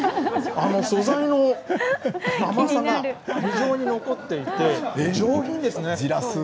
素材の甘さが非常に残っていて上品ですね。